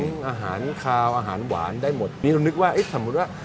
อาหารคาวอาหารหวานได้หมดนี่เรานึกว่าเอ๊ะสมมุติว่า